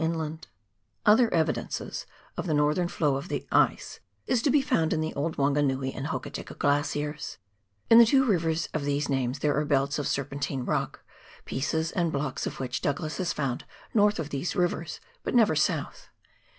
15G PIONEER WORK IN THE ALPS OF NEW ZEALAND. Other evidences of the northern flow of the ice is to be found in the old Wanganui and Hokitika Glaciers. In the two rivers of these names there are belts of serpentine rock, pieces and blocks of which Douglas has found north of the rivers but never south.